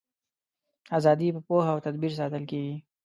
ازادي په پوهه او تدبیر ساتل کیږي.